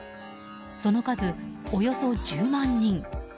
その数およそ１０万人。